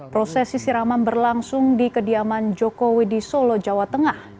prosesi siraman berlangsung di kediaman jokowi di solo jawa tengah